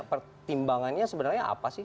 pertimbangannya sebenarnya apa sih